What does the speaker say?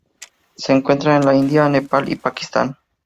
Se encuentra en la India, Nepal, y Pakistán.